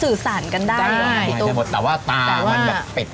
สื่อสารกันได้บ้างพี่ตุ้มใช่แต่ว่าตามันแบบเป็ด